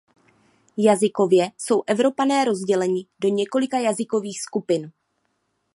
Jazykově jsou Evropané rozděleni do několika jazykových skupin.